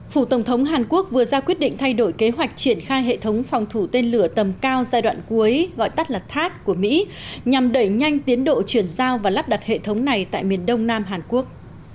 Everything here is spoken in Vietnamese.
phủ tổng thống hàn quốc vừa ra quyết định thay đổi kế hoạch triển khai hệ thống phòng thủ tên lửa tầm cao giai đoạn cuối gọi tắt là tháp của mỹ nhằm đẩy nhanh tiến độ chuyển giao và lắp đặt hệ thống này tại miền đông nam hàn quốc